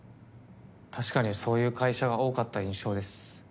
確かにそういう会社が多かった印象です。